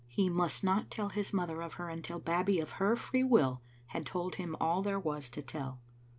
He must not tell his mother of her until Babbie of her free will had told him all there was to tell.